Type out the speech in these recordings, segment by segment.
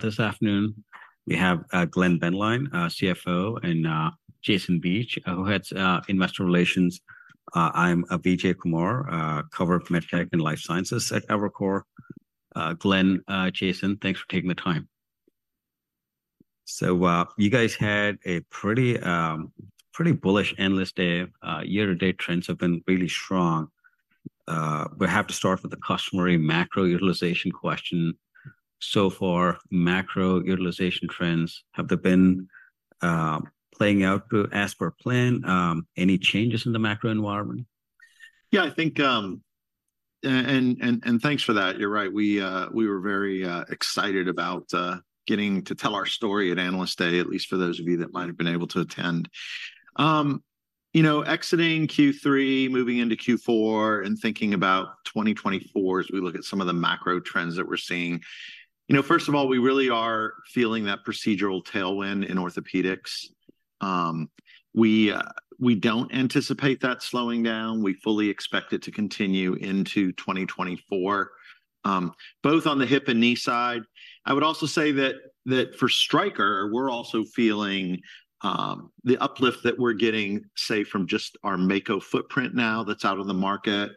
This afternoon, we have Glenn Boehnlein, CFO, and Jason Beach, who heads investor relations. I'm Vijay Kumar, cover of MedTech and Life Sciences at Evercore. Glenn, Jason, thanks for taking the time. So, you guys had a pretty pretty bullish Analyst Day. Year-to-date trends have been really strong. We have to start with the customary macro utilization question. So far, macro utilization trends, have they been playing out as per plan? Any changes in the macro environment? Yeah, I think, thanks for that. You're right, we were very excited about getting to tell our story at Analyst Day, at least for those of you that might have been able to attend. You know, exiting Q3, moving into Q4, and thinking about 2024 as we look at some of the macro trends that we're seeing, you know, first of all, we really are feeling that procedural tailwind in orthopedics. We don't anticipate that slowing down. We fully expect it to continue into 2024, both on the hip and knee side. I would also say that for Stryker, we're also feeling the uplift that we're getting, say, from just our Mako footprint now that's out in the market,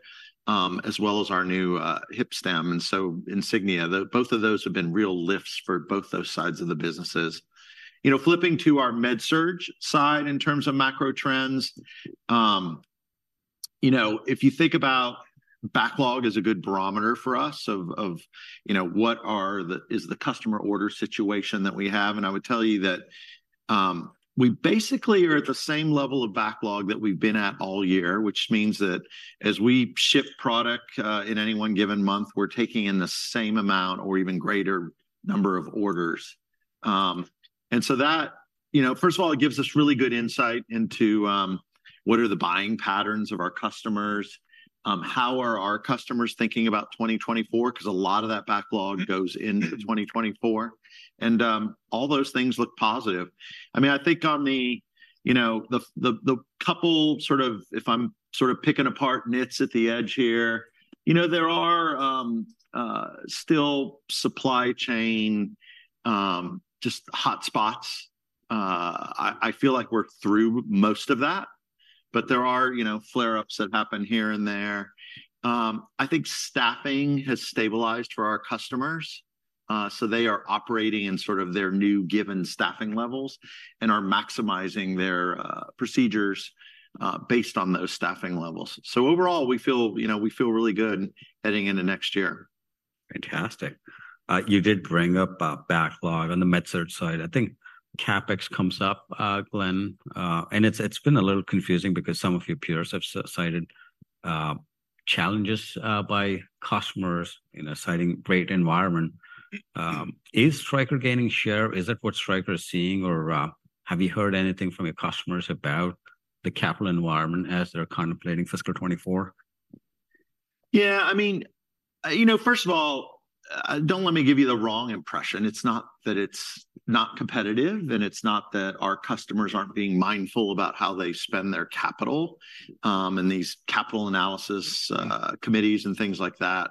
as well as our new hip stem, and so Insignia. Both of those have been real lifts for both those sides of the businesses. You know, flipping to our MedSurg side in terms of macro trends, you know, if you think about backlog as a good barometer for us of the customer order situation that we have, and I would tell you that, we basically are at the same level of backlog that we've been at all year, which means that as we ship product, in any one given month, we're taking in the same amount or even greater number of orders. And so that, you know, first of all, it gives us really good insight into what are the buying patterns of our customers, how are our customers thinking about 2024, 'cause a lot of that backlog goes into 2024, and all those things look positive. I mean, I think on the, you know, the couple, sort of, if I'm sort of picking apart nits at the edge here, you know, there are still supply chain just hot spots. I feel like we're through most of that, but there are, you know, flare-ups that happen here and there. I think staffing has stabilized for our customers, so they are operating in sort of their new given staffing levels and are maximizing their procedures based on those staffing levels. Overall, we feel, you know, we feel really good heading into next year. Fantastic. You did bring up our backlog on the MedSurg side. I think CapEx comes up, Glenn, and it's been a little confusing because some of your peers have cited challenges by customers in a tight rate environment. Is Stryker gaining share? Is that what Stryker is seeing, or have you heard anything from your customers about the capital environment as they're contemplating fiscal 2024? Yeah, I mean, you know, first of all, don't let me give you the wrong impression. It's not that it's not competitive, and it's not that our customers aren't being mindful about how they spend their capital, and these capital analysis committees, and things like that,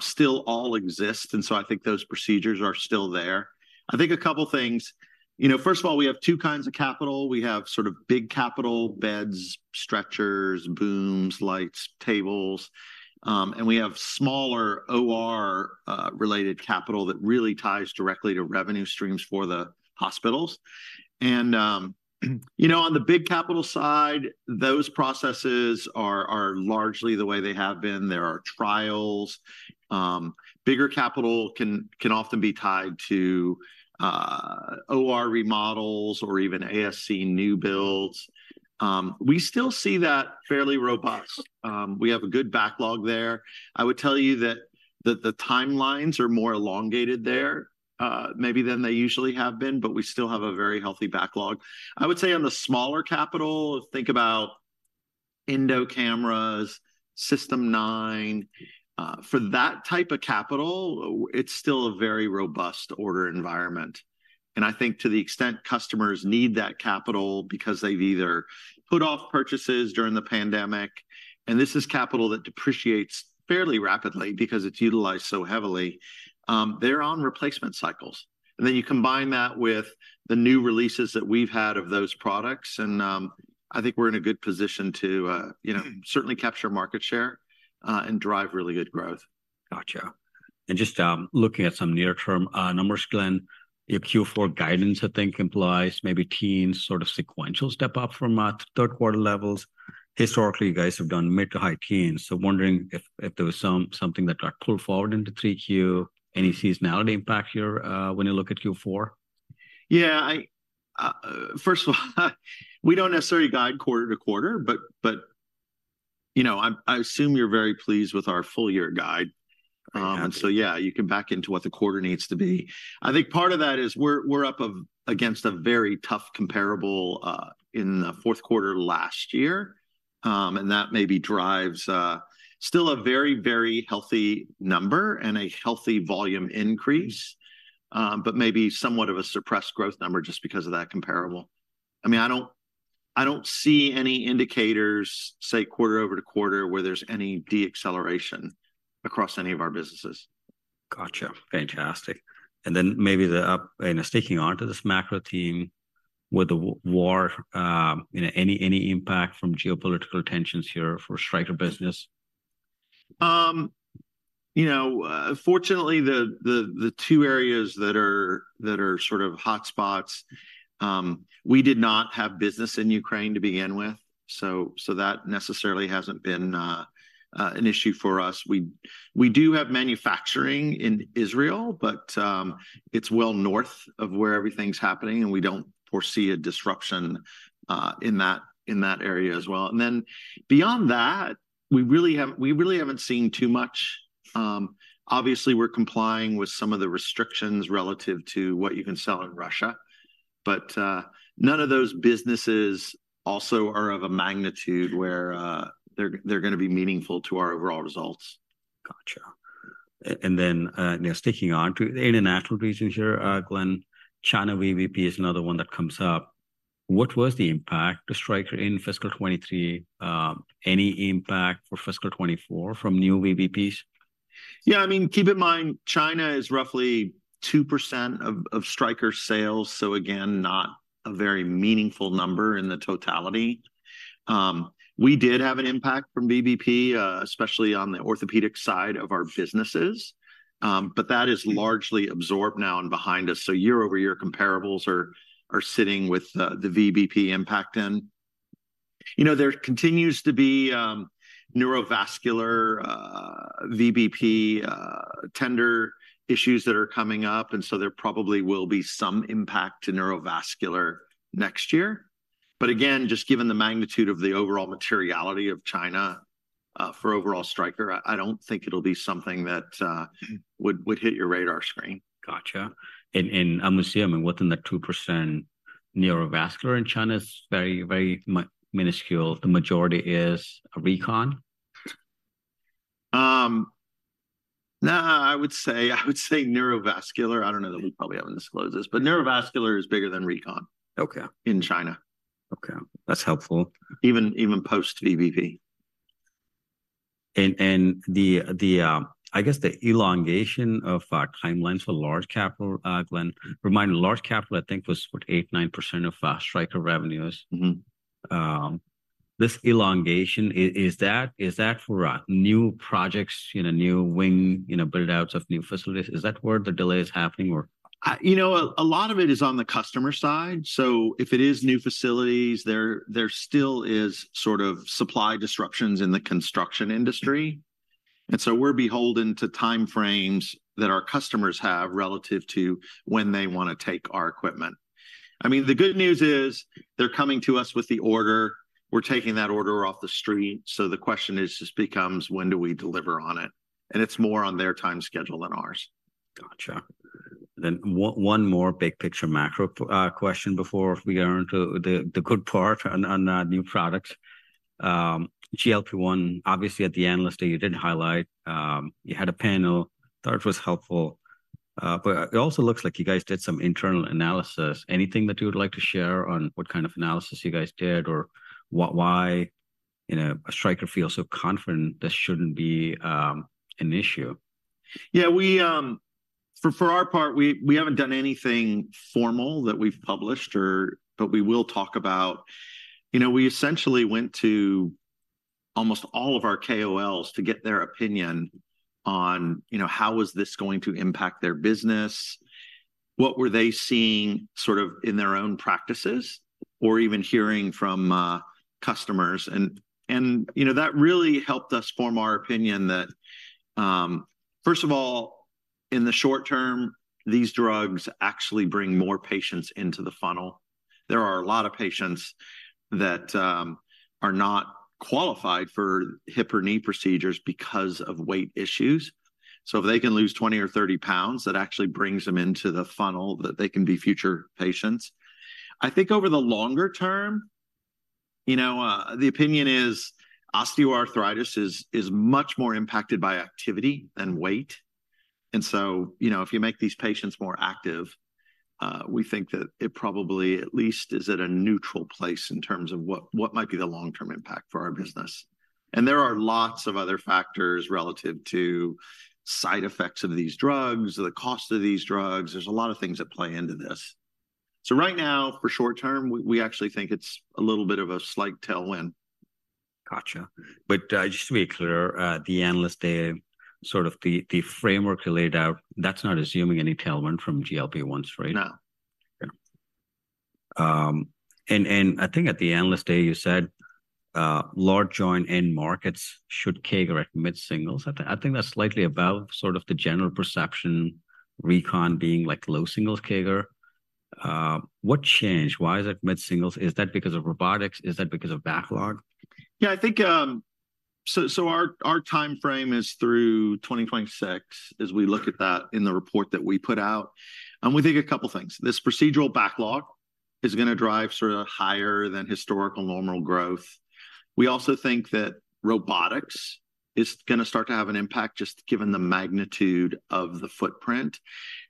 still all exist, and so I think those procedures are still there. I think a couple things, you know, first of all, we have two kinds of capital. We have sort of big capital: beds, stretchers, booms, lights, tables, and we have smaller OR related capital that really ties directly to revenue streams for the hospitals. You know, on the big capital side, those processes are, are largely the way they have been. There are trials. Bigger capital can, can often be tied to OR remodels or even ASC new builds. We still see that fairly robust. We have a good backlog there. I would tell you that the timelines are more elongated there, maybe than they usually have been, but we still have a very healthy backlog. I would say on the smaller capital, think about endo cameras, System 9. For that type of capital, it's still a very robust order environment, and I think to the extent customers need that capital because they've either put off purchases during the pandemic, and this is capital that depreciates fairly rapidly because it's utilized so heavily, they're on replacement cycles. And then you combine that with the new releases that we've had of those products, and I think we're in a good position to, you know, certainly capture market share, and drive really good growth. Gotcha. And just looking at some near-term numbers, Glenn, your Q4 guidance, I think, implies maybe teen sort of sequential step up from third quarter levels. Historically, you guys have done mid- to high-teens, so wondering if there was something that got pulled forward into 3Q, any seasonality impact here when you look at Q4? Yeah. First of all, we don't necessarily guide quarter to quarter, but you know, I assume you're very pleased with our full year guide. Fantastic. And so yeah, you can back into what the quarter needs to be. I think part of that is we're up against a very tough comparable in the fourth quarter last year, and that maybe drives still a very, very healthy number and a healthy volume increase, but maybe somewhat of a suppressed growth number just because of that comparable. I mean, I don't see any indicators, say, quarter-over-quarter, where there's any deceleration across any of our businesses. Gotcha. Fantastic. And then maybe the up, you know, sticking onto this macro theme, with the war, you know, any, any impact from geopolitical tensions here for Stryker business? You know, fortunately, the two areas that are sort of hot spots, we did not have business in Ukraine to begin with, so that necessarily hasn't been an issue for us. We do have manufacturing in Israel, but it's well north of where everything's happening, and we don't foresee a disruption in that area as well. And then beyond that, we really haven't seen too much. Obviously, we're complying with some of the restrictions relative to what you can sell in Russia, but none of those businesses also are of a magnitude where they're gonna be meaningful to our overall results. Gotcha. And then, you know, sticking on to the international regions here, Glenn, China VBP is another one that comes up. What was the impact to Stryker in fiscal 2023? Any impact for fiscal 2024 from new VBPs? Yeah, I mean, keep in mind, China is roughly 2% of Stryker sales, so again, not a very meaningful number in the totality. We did have an impact from VBP, especially on the orthopedic side of our businesses, but that is largely absorbed now and behind us, so year-over-year comparables are sitting with the VBP impact in. You know, there continues to be neurovascular VBP tender issues that are coming up, and so there probably will be some impact to neurovascular next year. But again, just given the magnitude of the overall materiality of China, for overall Stryker, I don't think it'll be something that would hit your radar screen. Gotcha. And, and I'm assuming within the 2% neurovascular in China is very, very minuscule. The majority is recon? Nah, I would say, I would say neurovascular. I don't know, that we probably haven't disclosed this, but neurovascular is bigger than recon- Okay... in China. Okay, that's helpful. Even, even post-VBP. And the elongation of timelines for large capital, Glenn, remind me, large capital, I think, was what? 8-9% of Stryker revenues. Mm-hmm. This elongation, is that for new projects, you know, new wing, you know, build-outs of new facilities? Is that where the delay is happening, or...? You know, a lot of it is on the customer side. So if it is new facilities, there still is sort of supply disruptions in the construction industry, and so we're beholden to time frames that our customers have relative to when they want to take our equipment. I mean, the good news is they're coming to us with the order. We're taking that order off the street, so the question is, just becomes: When do we deliver on it? And it's more on their time schedule than ours. Gotcha. Then one more big-picture macro question before we get onto the good part on new products. GLP-1, obviously, at the Analyst Day, you did highlight, you had a panel. Thought it was helpful, but it also looks like you guys did some internal analysis. Anything that you would like to share on what kind of analysis you guys did, or why, you know, Stryker feels so confident this shouldn't be an issue? Yeah, for our part, we haven't done anything formal that we've published, but we will talk about, you know, we essentially went to almost all of our KOLs to get their opinion on, you know, how is this going to impact their business? What were they seeing sort of in their own practices or even hearing from customers? And, you know, that really helped us form our opinion that first of all, in the short term, these drugs actually bring more patients into the funnel. There are a lot of patients that are not qualified for hip or knee procedures because of weight issues, so if they can lose 20 or 30 pounds, that actually brings them into the funnel, that they can be future patients. I think over the longer term, you know, the opinion is osteoarthritis is, is much more impacted by activity than weight, and so, you know, if you make these patients more active, we think that it probably at least is at a neutral place in terms of what, what might be the long-term impact for our business. And there are lots of other factors relative to side effects of these drugs, the cost of these drugs. There's a lot of things that play into this. So right now, for short term, we, we actually think it's a little bit of a slight tailwind. Gotcha. But, just to be clear, the Analyst Day, sort of the, the framework you laid out, that's not assuming any tailwind from GLP-1, right? No. Yeah. And I think at the Analyst Day, you said, large joint end markets should CAGR at mid-singles. I think that's slightly above sort of the general perception, recon being, like, low singles CAGR. What changed? Why is it mid-singles? Is that because of robotics? Is that because of backlog? Yeah, I think, so our time frame is through 2026, as we look at that in the report that we put out, and we think a couple things. This procedural backlog is gonna drive sort of higher than historical normal growth. We also think that robotics. It's gonna start to have an impact just given the magnitude of the footprint,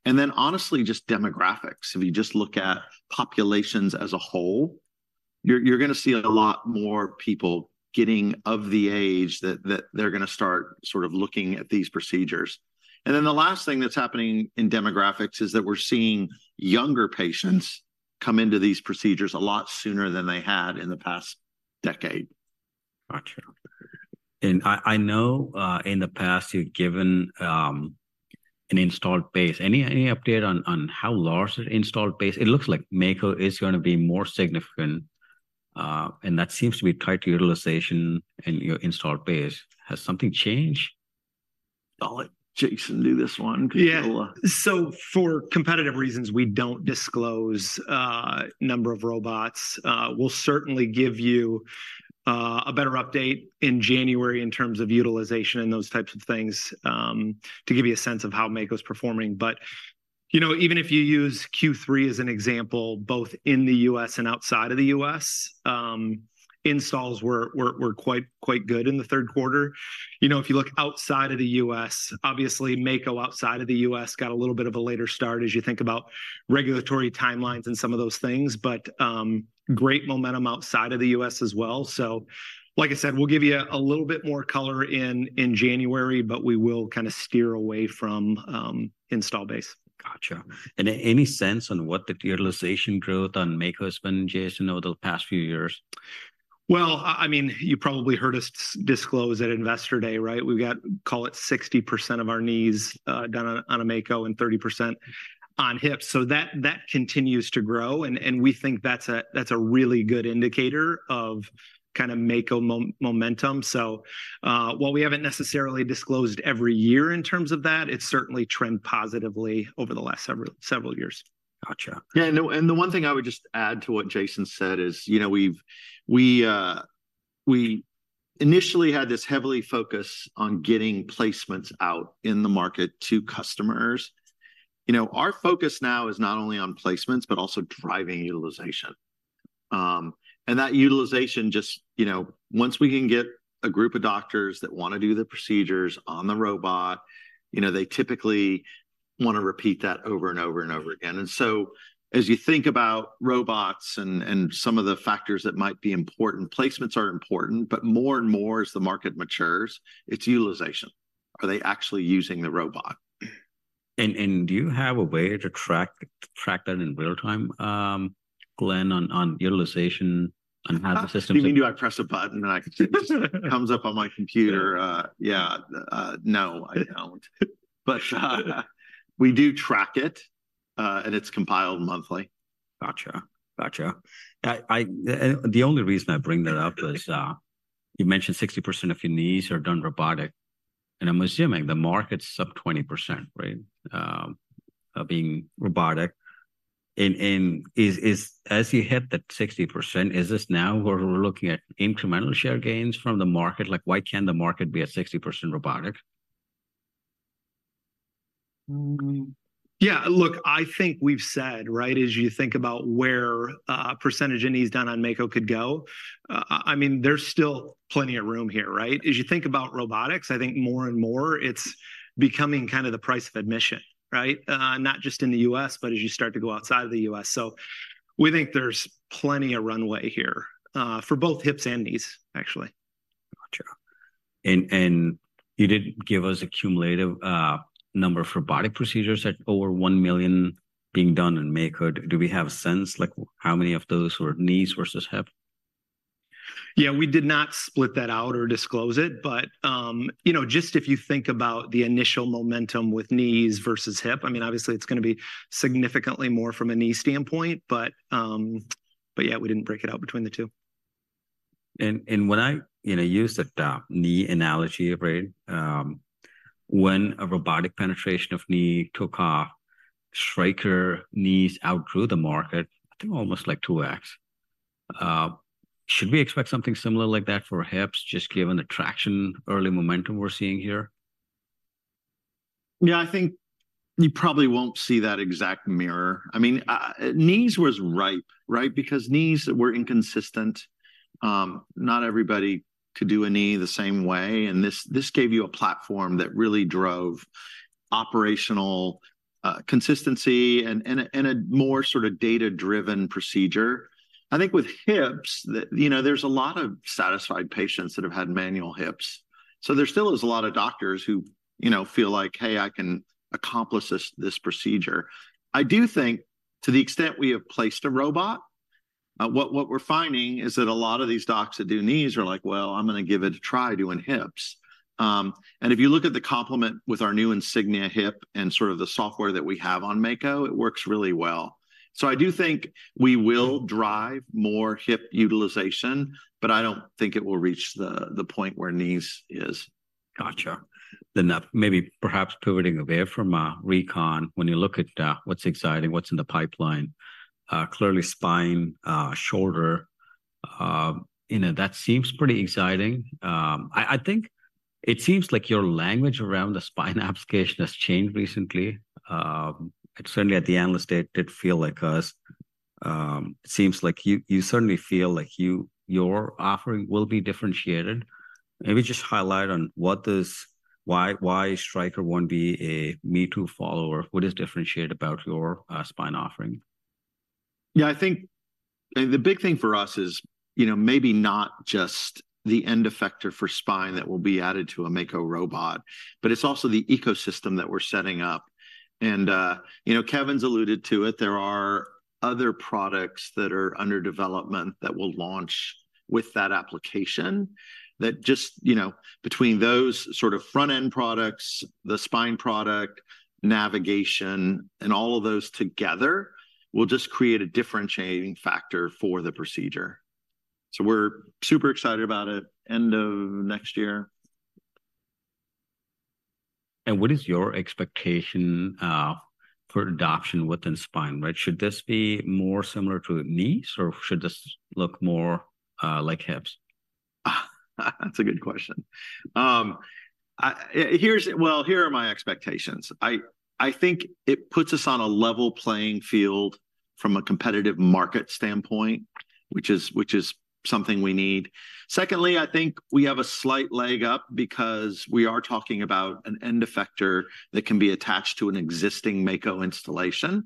and then honestly, just demographics. If you just look at populations as a whole, you're gonna see a lot more people getting of the age that they're gonna start sort of looking at these procedures. And then the last thing that's happening in demographics is that we're seeing younger patients come into these procedures a lot sooner than they had in the past decade. Gotcha. I know in the past, you've given an installed base. Any update on how large the installed base? It looks like Mako is gonna be more significant, and that seems to be tied to utilization and your installed base. Has something changed? I'll let Jason do this one because- Yeah. So for competitive reasons, we don't disclose number of robots. We'll certainly give you a better update in January in terms of utilization and those types of things, to give you a sense of how Mako's performing. But, you know, even if you use Q3 as an example, both in the U.S. and outside of the U.S., installs were quite good in the third quarter. You know, if you look outside of the U.S., obviously Mako outside of the U.S. got a little bit of a later start, as you think about regulatory timelines and some of those things, but, great momentum outside of the U.S. as well. So like I said, we'll give you a little bit more color in January, but we will kinda steer away from install base. Gotcha. Any sense on what the utilization growth on Mako has been, Jason, over the past few years? Well, I mean, you probably heard us disclose at Investor Day, right? We got, call it 60% of our knees done on a Mako and 30% on hips. So that continues to grow, and we think that's a really good indicator of kinda Mako momentum. So, while we haven't necessarily disclosed every year in terms of that, it's certainly trended positively over the last several years. Gotcha. Yeah, and the one thing I would just add to what Jason said is, you know, we've, we, we initially had this heavily focus on getting placements out in the market to customers. You know, our focus now is not only on placements, but also driving utilization. And that utilization just, you know, once we can get a group of doctors that wanna do the procedures on the robot, you know, they typically wanna repeat that over and over, and over again. And so, as you think about robots and some of the factors that might be important, placements are important, but more and more as the market matures, it's utilization. Are they actually using the robot? Do you have a way to track that in real time, Glenn, on utilization and how the system- You mean, do I press a button, and I can see it comes up on my computer? Yeah. Yeah. No, I don't. But, we do track it, and it's compiled monthly. Gotcha. Gotcha. I the only reason I bring that up is, you mentioned 60% of your knees are done robotic, and I'm assuming the market's sub 20%, right? Being robotic. And is as you hit that 60%, is this now where we're looking at incremental share gains from the market? Like, why can't the market be at 60% robotic? Yeah, look, I think we've said, right, as you think about where percentage in knees done on Mako could go, I mean, there's still plenty of room here, right? As you think about robotics, I think more and more it's becoming kinda the price of admission, right? Not just in the U.S., but as you start to go outside of the U.S. So we think there's plenty of runway here for both hips and knees, actually. Gotcha. And you did give us a cumulative number for robotic procedures at over 1 million being done in Mako. Do we have a sense, like how many of those were knees versus hip? Yeah, we did not split that out or disclose it, but, you know, just if you think about the initial momentum with knees versus hip, I mean, obviously, it's gonna be significantly more from a knee standpoint. But yeah, we didn't break it out between the two. When I, you know, use the knee analogy, right, when a robotic penetration of knee took off, Stryker knees outgrew the market, I think almost like 2x. Should we expect something similar like that for hips, just given the traction, early momentum we're seeing here? Yeah, I think you probably won't see that exact mirror. I mean, knees was ripe, right? Because knees were inconsistent. Not everybody could do a knee the same way, and this gave you a platform that really drove operational consistency and a more sort of data-driven procedure. I think with hips, you know, there's a lot of satisfied patients that have had manual hips, so there still is a lot of doctors who, you know, feel like: "Hey, I can accomplish this, this procedure." I do think to the extent we have placed a robot, what we're finding is that a lot of these docs that do knees are like: "Well, I'm gonna give it a try doing hips." And if you look at the complement with our new Insignia Hip and sort of the software that we have on Mako, it works really well. So I do think we will drive more hip utilization, but I don't think it will reach the point where knees is. Gotcha. Then, maybe perhaps pivoting a bit from recon. When you look at, what's exciting, what's in the pipeline, clearly spine, shoulder, you know, that seems pretty exciting. I think it seems like your language around the spine application has changed recently. Certainly at the Analyst Day, it did feel like it seems like you certainly feel like your offering will be differentiated. Maybe just highlight on what does, why, why Stryker won't be a me-too follower. What is differentiated about your, spine offering? Yeah, I think, and the big thing for us is, you know, maybe not just the end effector for spine that will be added to a Mako robot, but it's also the ecosystem that we're setting up. And, you know, Kevin's alluded to it, there are other products that are under development that will launch with that application, that just, you know, between those sort of front-end products, the spine product, navigation, and all of those together, will just create a differentiating factor for the procedure. So we're super excited about it, end of next year. What is your expectation for adoption within spine, right? Should this be more similar to knees, or should this look more like hips? That's a good question. Well, here are my expectations. I, I think it puts us on a level playing field from a competitive market standpoint, which is, which is something we need. Secondly, I think we have a slight leg up because we are talking about an end effector that can be attached to an existing Mako installation.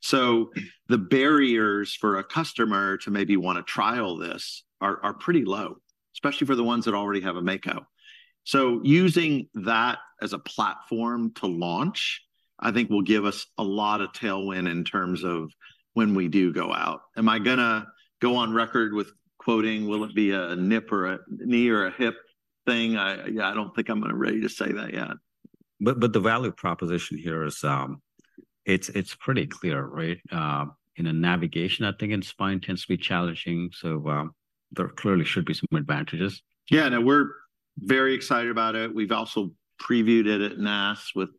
So the barriers for a customer to maybe want to trial this are, are pretty low, especially for the ones that already have a Mako. So using that as a platform to launch, I think will give us a lot of tailwind in terms of when we do go out. Am I gonna go on record with quoting, will it be a hip or a knee or a hip thing? I, yeah, I don't think I'm gonna be ready to say that yet. But the value proposition here is, it's pretty clear, right? In a navigation, I think in spine tends to be challenging, so there clearly should be some advantages. Yeah, no, we're very excited about it. We've also previewed it at NASS with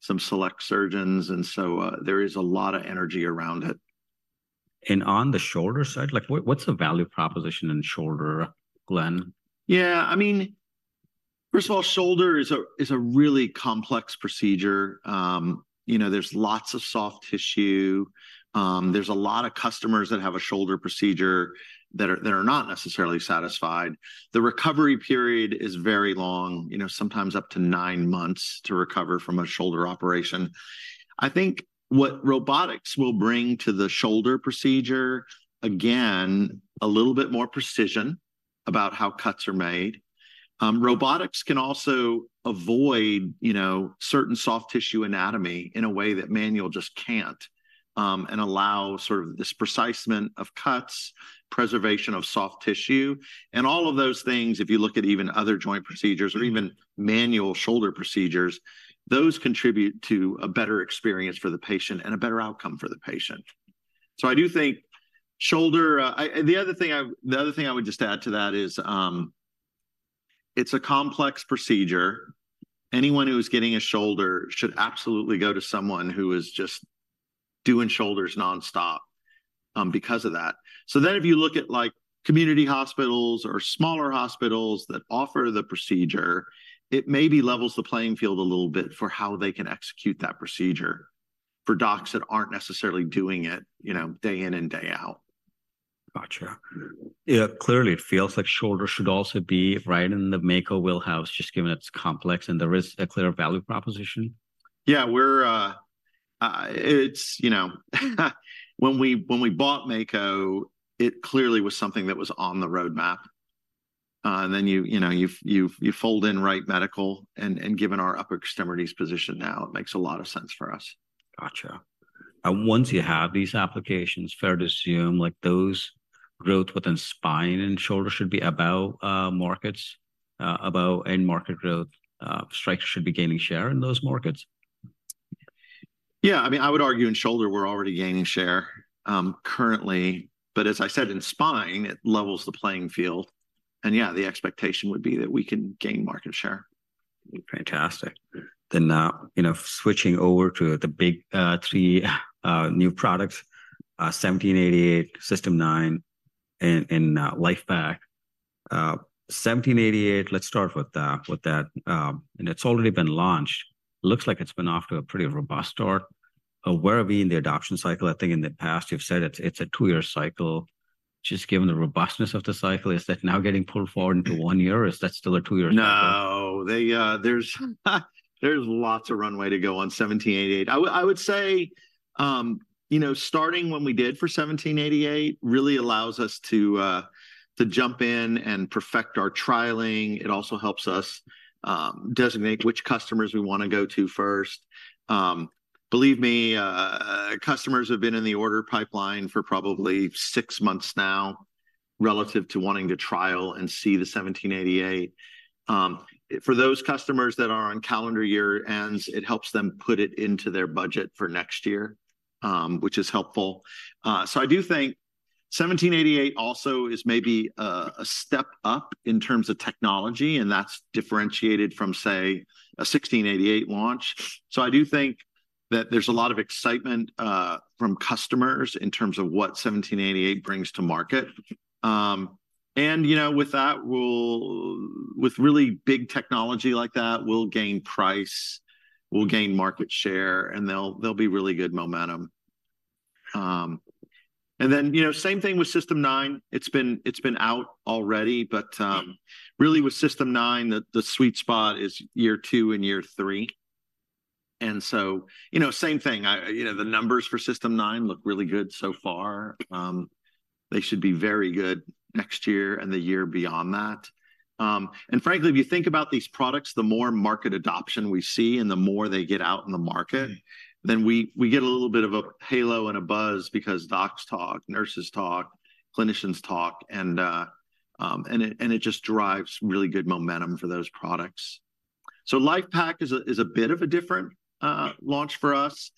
some select surgeons, and so, there is a lot of energy around it. On the shoulder side, like, what, what's the value proposition in shoulder, Glenn? Yeah, I mean, first of all, shoulder is a really complex procedure. You know, there's lots of soft tissue. There's a lot of customers that have a shoulder procedure that are not necessarily satisfied. The recovery period is very long, you know, sometimes up to nine months to recover from a shoulder operation. I think what robotics will bring to the shoulder procedure, again, a little bit more precision about how cuts are made. Robotics can also avoid, you know, certain soft tissue anatomy in a way that manual just can't, and allow sort of this preciseness of cuts, preservation of soft tissue. And all of those things, if you look at even other joint procedures or even manual shoulder procedures, those contribute to a better experience for the patient and a better outcome for the patient. So I do think shoulder. The other thing I would just add to that is, it's a complex procedure. Anyone who's getting a shoulder should absolutely go to someone who is just doing shoulders nonstop, because of that. So then if you look at, like, community hospitals or smaller hospitals that offer the procedure, it maybe levels the playing field a little bit for how they can execute that procedure for docs that aren't necessarily doing it, you know, day in and day out. Gotcha. Yeah, clearly it feels like shoulder should also be right in the Mako wheelhouse, just given it's complex and there is a clear value proposition. Yeah, we're, it's, you know, when we bought Mako, it clearly was something that was on the roadmap. And then you know, you fold in Wright Medical, and given our upper extremities position now, it makes a lot of sense for us. Gotcha. And once you have these applications, fair to assume, like, those growth within spine and shoulder should be about markets, about end market growth, Stryker should be gaining share in those markets? Yeah, I mean, I would argue in shoulder, we're already gaining share, currently, but as I said, in spine, it levels the playing field. And yeah, the expectation would be that we can gain market share. Fantastic. Then now, you know, switching over to the big, 3, new products, 1788, System 9, and, and, LIFEPAK. 1788, let's start with, with that. And it's already been launched. Looks like it's been off to a pretty robust start. Where are we in the adoption cycle? I think in the past you've said it, it's a 2-year cycle. Just given the robustness of the cycle, is that now getting pulled forward into 1 year, or is that still a 2-year cycle? No, there's lots of runway to go on 1788. I would say, you know, starting when we did for 1788 really allows us to jump in and perfect our trialing. It also helps us designate which customers we wanna go to first. Believe me, customers have been in the order pipeline for probably six months now, relative to wanting to trial and see the 1788. For those customers that are on calendar year ends, it helps them put it into their budget for next year, which is helpful. So I do think 1788 also is maybe a step up in terms of technology, and that's differentiated from, say, a 1688 launch. So I do think that there's a lot of excitement from customers in terms of what 1788 brings to market. And, you know, with that, with really big technology like that, we'll gain price, we'll gain market share, and they'll, there'll be really good momentum. And then, you know, same thing with System 9. It's been out already, but really with System 9, the sweet spot is year 2 and year 3. And so, you know, same thing, you know, the numbers for System 9 look really good so far. They should be very good next year and the year beyond that. And frankly, if you think about these products, the more market adoption we see and the more they get out in the market, then we get a little bit of a halo and a buzz because docs talk, nurses talk, clinicians talk, and it just drives really good momentum for those products. So LIFEPAK is a bit of a different launch for us.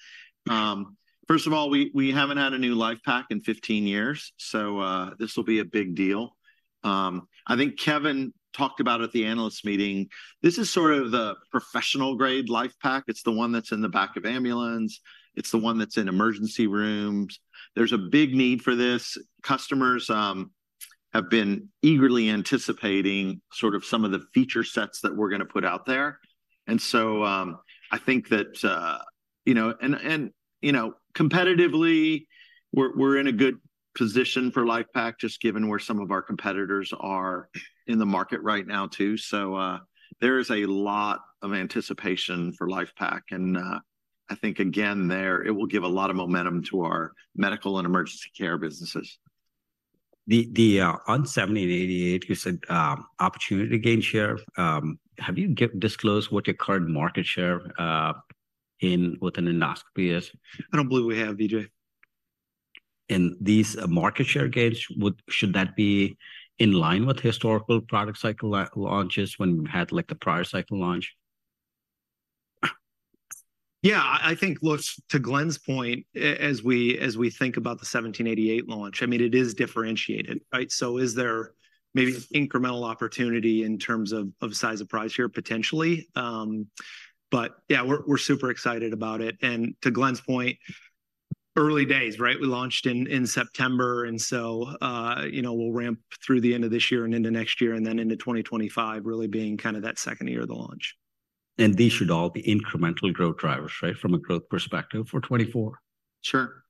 First of all, we haven't had a new LIFEPAK in 15 years, so this will be a big deal. I think Kevin talked about at the analyst meeting, this is sort of the professional grade LIFEPAK. It's the one that's in the back of ambulance, it's the one that's in emergency rooms. There's a big need for this. Customers have been eagerly anticipating sort of some of the feature sets that we're going to put out there. And so, I think that, you know—and, you know, competitively, we're in a good position for LIFEPAK, just given where some of our competitors are in the market right now, too. So, there is a lot of anticipation for LIFEPAK, and, I think again, there, it will give a lot of momentum to our medical and emergency care businesses. Then, on 1788, you said opportunity to gain share. Have you disclosed what your current market share within endoscopy is? I don't believe we have, Vijay. These market share gains, should that be in line with historical product cycle launches when you had, like, the prior cycle launch? Yeah, I think, look, to Glenn's point, as we think about the 1788 launch, I mean, it is differentiated, right? So is there maybe incremental opportunity in terms of size of price share, potentially? But yeah, we're super excited about it. And to Glenn's point, early days, right? We launched in September, and so, you know, we'll ramp through the end of this year and into next year, and then into 2025, really being kind of that second year of the launch. These should all be incremental growth drivers, right, from a growth perspective for 2024? Sure.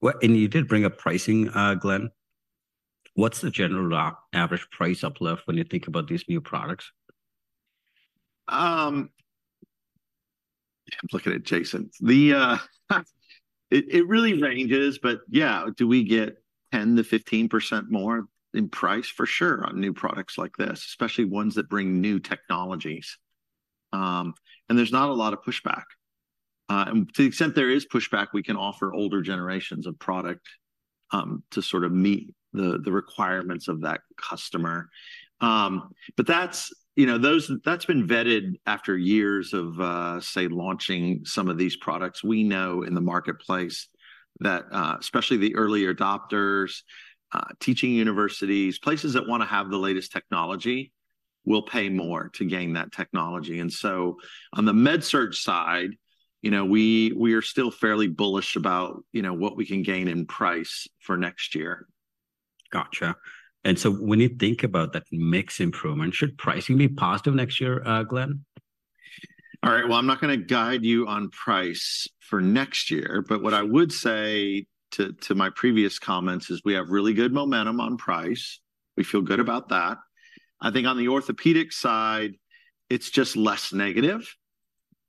Well, and you did bring up pricing, Glenn. What's the general, average price uplift when you think about these new products? I'm looking at Jason. It really ranges, but yeah, do we get 10%-15% more in price? For sure, on new products like this, especially ones that bring new technologies. There's not a lot of pushback. To the extent there is pushback, we can offer older generations of product to sort of meet the requirements of that customer. But that's, you know, that's been vetted after years of, say, launching some of these products. We know in the marketplace that especially the early adopters, teaching universities, places that want to have the latest technology, will pay more to gain that technology. So on the MedSurg side, you know, we are still fairly bullish about, you know, what we can gain in price for next year. Gotcha. And so when you think about that mix improvement, should pricing be positive next year, Glenn? All right, well, I'm not going to guide you on price for next year, but what I would say to my previous comments is we have really good momentum on price. We feel good about that. I think on the orthopedic side, it's just less negative,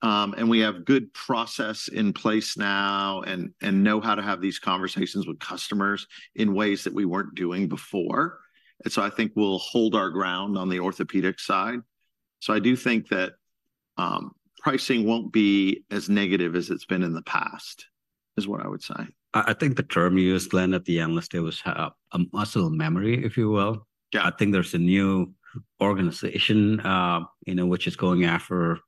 and we have good process in place now and know how to have these conversations with customers in ways that we weren't doing before. And so I think we'll hold our ground on the orthopedic side. So I do think that, pricing won't be as negative as it's been in the past, is what I would say. I think the term you used, Glenn, at the Analyst Day was muscle memory, if you will. Yeah. I think there's a new organization, you know, which is going after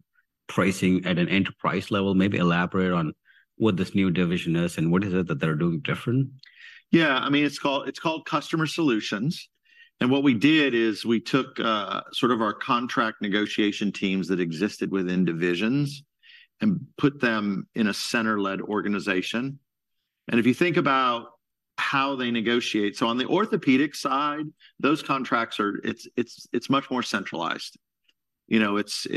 pricing at an enterprise level. Maybe elaborate on what this new division is and what is it that they're doing different? Yeah. I mean, it's called, it's called Customer Solutions, and what we did is we took, sort of our contract negotiation teams that existed within divisions and put them in a center-led organization. And if you think about how they negotiate. So on the orthopedic side, those contracts are, it's much more centralized. You know, it's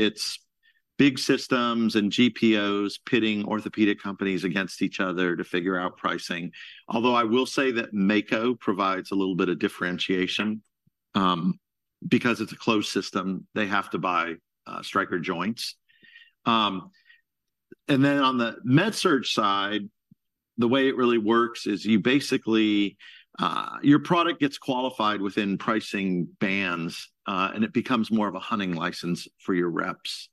big systems and GPOs pitting orthopedic companies against each other to figure out pricing. Although, I will say that Mako provides a little bit of differentiation. Because it's a closed system, they have to buy Stryker joints. And then on the MedSurg side, the way it really works is you basically, your product gets qualified within pricing bands, and it becomes more of a hunting license for your reps.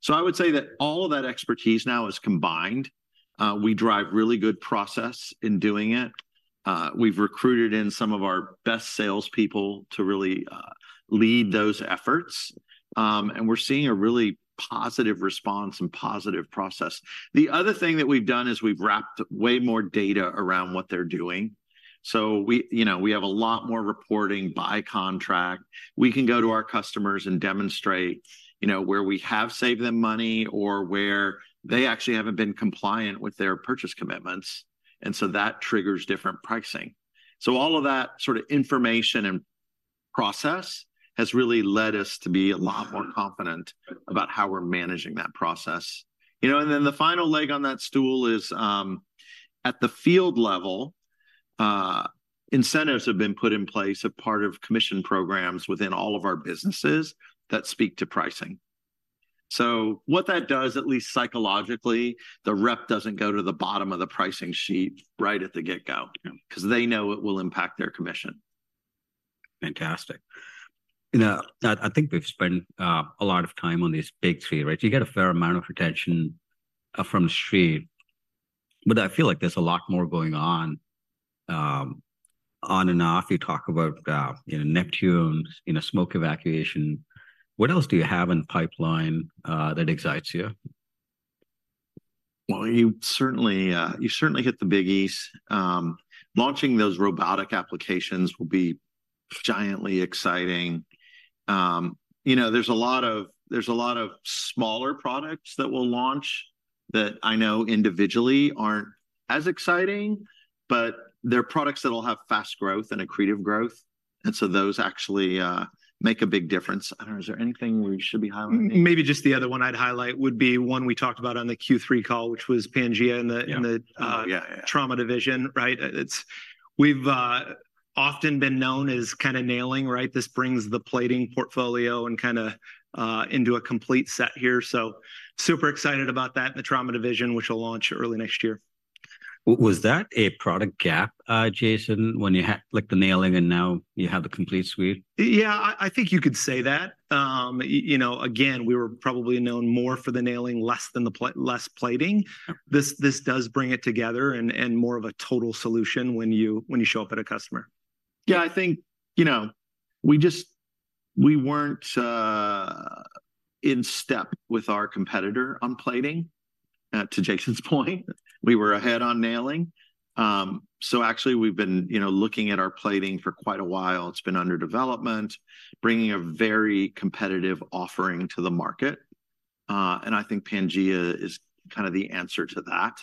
So I would say that all of that expertise now is combined. We drive really good process in doing it. We've recruited in some of our best salespeople to really lead those efforts, and we're seeing a really positive response and positive process. The other thing that we've done is we've wrapped way more data around what they're doing. So we, you know, we have a lot more reporting by contract. We can go to our customers and demonstrate, you know, where we have saved them money or where they actually haven't been compliant with their purchase commitments, and so that triggers different pricing. So all of that sort of information and process has really led us to be a lot more confident about how we're managing that process. You know, and then the final leg on that stool is, at the field level, incentives have been put in place as part of commission programs within all of our businesses that speak to pricing. So what that does, at least psychologically, the rep doesn't go to the bottom of the pricing sheet right at the get-go. Yeah 'cause they know it will impact their commission. Fantastic. You know, I think we've spent a lot of time on these big three, right? You get a fair amount of attention from the street, but I feel like there's a lot more going on on and off. You talk about you know, Neptune, you know, smoke evacuation. What else do you have in the pipeline that excites you? Well, you certainly, you certainly hit the biggies. Launching those robotic applications will be giantly exciting. You know, there's a lot of, there's a lot of smaller products that we'll launch that I know individually aren't as exciting, but they're products that'll have fast growth and accretive growth, and so those actually make a big difference. I don't know, is there anything we should be highlighting? Maybe just the other one I'd highlight would be one we talked about on the Q3 call, which was Pangea in the- Yeah... in the Yeah, yeah... trauma division, right? It's—we've often been known as kind of nailing, right? This brings the plating portfolio and kind of into a complete set here, so super excited about that, the trauma division, which will launch early next year. Was that a product gap, Jason, when you had, like, the nailing and now you have the complete suite? Yeah, I think you could say that. You know, again, we were probably known more for the nailing, less plating. Yeah. This does bring it together and more of a total solution when you show up at a customer. Yeah, I think, you know, we just, we weren't in step with our competitor on plating, to Jason's point. We were ahead on nailing. So actually we've been, you know, looking at our plating for quite a while. It's been under development, bringing a very competitive offering to the market, and I think Pangea is kind of the answer to that.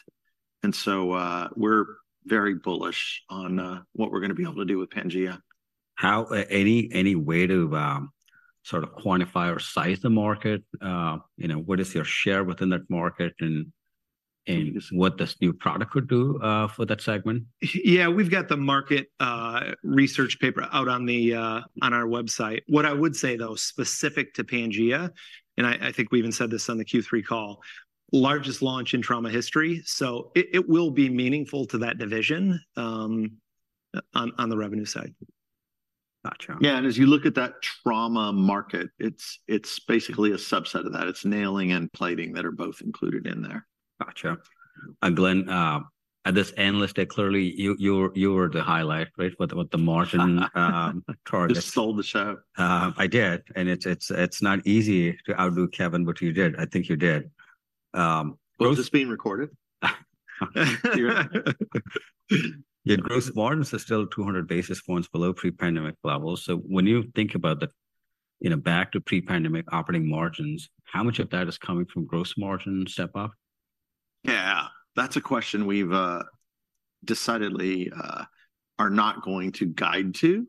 And so, we're very bullish on what we're gonna be able to do with Pangea. How, any way to sort of quantify or size the market? You know, what is your share within that market, and what this new product could do for that segment? Yeah, we've got the market research paper out on our website. What I would say, though, specific to Pangea, and I think we even said this on the Q3 call, largest launch in trauma history, so it will be meaningful to that division, on the revenue side. Gotcha. Yeah, and as you look at that trauma market, it's basically a subset of that. It's nailing and plating that are both included in there. Gotcha. And Glenn, at this Analyst Day, clearly, you were the highlight, right? With the margin target. You stole the show. I did, and it's not easy to outdo Kevin, but you did. I think you did. Gross- Was this being recorded? Yeah, gross margins are still 200 basis points below pre-pandemic levels, so when you think about the, you know, back to pre-pandemic operating margins, how much of that is coming from gross margin step-up? Yeah, that's a question we've decidedly are not going to guide to.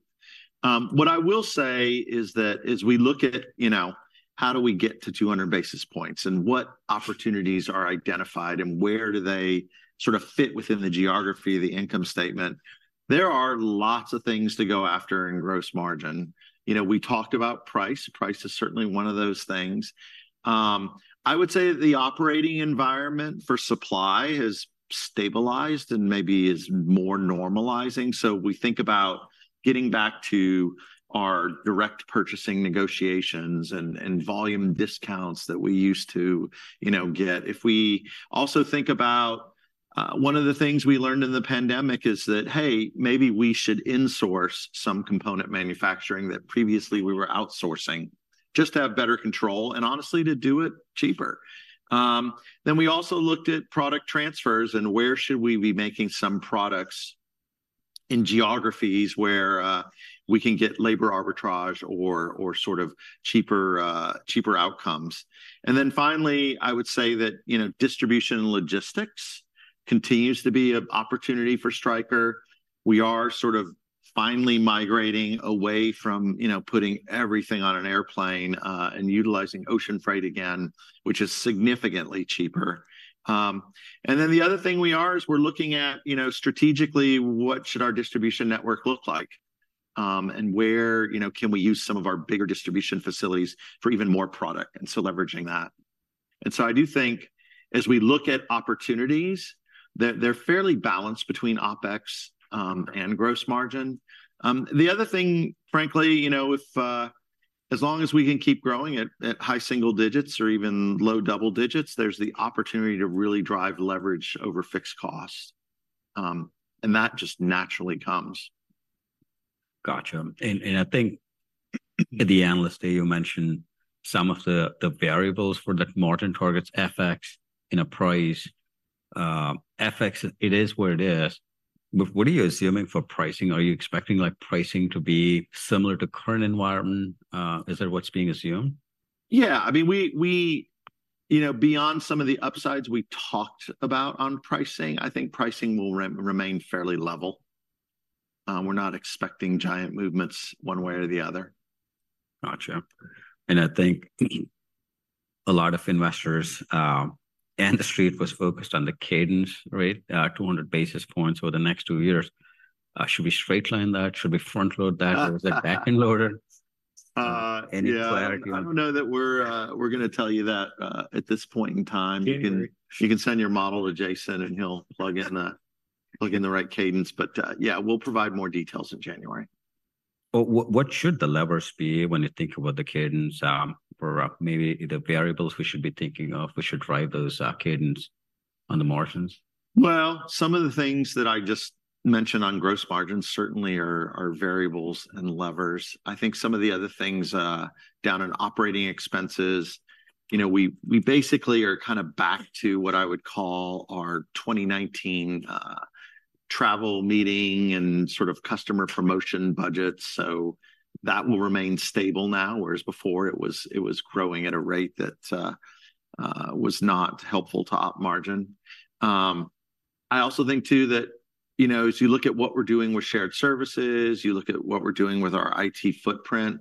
What I will say is that as we look at, you know, how do we get to 200 basis points, and what opportunities are identified, and where do they sort of fit within the geography of the income statement, there are lots of things to go after in gross margin. You know, we talked about price. Price is certainly one of those things. I would say the operating environment for supply has stabilized and maybe is more normalizing, so we think about getting back to our direct purchasing negotiations and volume discounts that we used to, you know, get. If we also think about, one of the things we learned in the pandemic is that, hey, maybe we should insource some component manufacturing that previously we were outsourcing, just to have better control and honestly to do it cheaper. Then we also looked at product transfers, and where should we be making some products in geographies where, we can get labor arbitrage or, or sort of cheaper, cheaper outcomes. And then finally, I would say that, you know, distribution and logistics continues to be an opportunity for Stryker. We are sort of finally migrating away from, you know, putting everything on an airplane, and utilizing ocean freight again, which is significantly cheaper. And then the other thing we are is, we're looking at, you know, strategically, what should our distribution network look like? And where, you know, can we use some of our bigger distribution facilities for even more product, and so leveraging that. And so I do think as we look at opportunities, that they're fairly balanced between OpEx and gross margin. The other thing, frankly, you know, if as long as we can keep growing at high single digits or even low double digits, there's the opportunity to really drive leverage over fixed costs. And that just naturally comes. Gotcha. And I think at the Analyst Day, you mentioned some of the variables for the margin targets, FX and price. FX, it is what it is, but what are you assuming for pricing? Are you expecting, like, pricing to be similar to current environment? Is that what's being assumed? Yeah, I mean, you know, beyond some of the upsides we talked about on pricing, I think pricing will remain fairly level. We're not expecting giant movements one way or the other. Gotcha. And I think a lot of investors, and the street was focused on the cadence, right? 200 basis points over the next two years. Should we straight line that? Should we front load that? Or is it back-end loaded? Any clarity on- Yeah, I don't know that we're gonna tell you that at this point in time. Okay. You can, you can send your model to Jason, and he'll plug in the right cadence. But, yeah, we'll provide more details in January. But what should the levers be when you think about the cadence for maybe the variables we should be thinking of? We should drive those cadence on the margins? Well, some of the things that I just mentioned on gross margins certainly are variables and levers. I think some of the other things down in operating expenses, you know, we basically are kind of back to what I would call our 2019 travel meeting and sort of customer promotion budget. So that will remain stable now, whereas before it was growing at a rate that was not helpful to op margin. I also think, too, that, you know, as you look at what we're doing with shared services, you look at what we're doing with our IT footprint,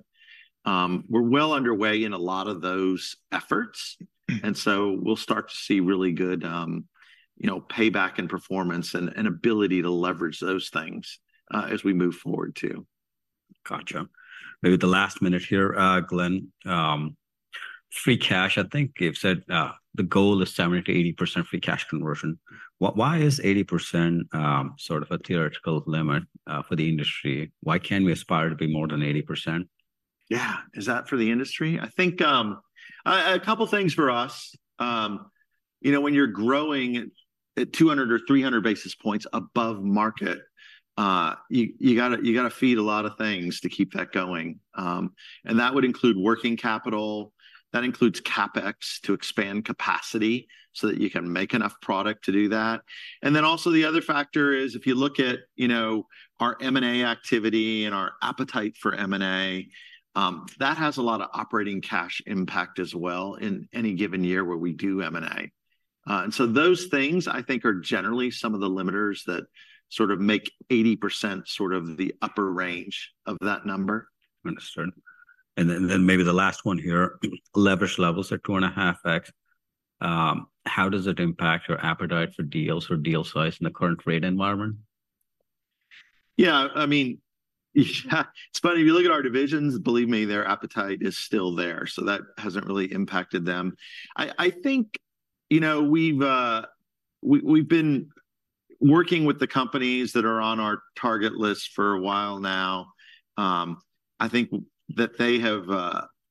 we're well underway in a lot of those efforts. Mm. So we'll start to see really good, you know, payback and performance and ability to leverage those things, as we move forward, too. Gotcha. Maybe the last minute here, Glenn, free cash, I think you've said, the goal is 70%-80% free cash conversion. Why, why is 80%, sort of a theoretical limit, for the industry? Why can't we aspire to be more than 80%? Yeah. Is that for the industry? I think, a couple of things for us, you know, when you're growing at 200 or 300 basis points above market, you, you gotta, you gotta feed a lot of things to keep that going. And that would include working capital, that includes CapEx to expand capacity so that you can make enough product to do that. And then also, the other factor is, if you look at, you know, our M&A activity and our appetite for M&A, that has a lot of operating cash impact as well in any given year where we do M&A. And so those things, I think, are generally some of the limiters that sort of make 80% sort of the upper range of that number. Understood. Then, then maybe the last one here, leverage levels are 2.5x. How does it impact your appetite for deals or deal size in the current rate environment? Yeah, I mean, it's funny, if you look at our divisions, believe me, their appetite is still there, so that hasn't really impacted them. I think, you know, we've been working with the companies that are on our target list for a while now. I think that they have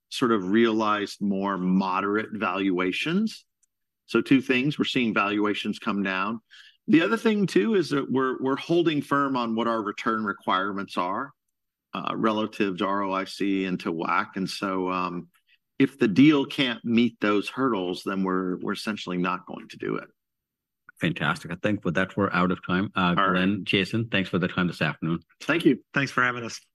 sort of realized more moderate valuations. So two things, we're seeing valuations come down. The other thing, too, is that we're holding firm on what our return requirements are relative to ROIC and to WACC. And so, if the deal can't meet those hurdles, then we're essentially not going to do it. Fantastic. I think with that, we're out of time. All right. Glenn, Jason, thanks for the time this afternoon. Thank you. Thanks for having us.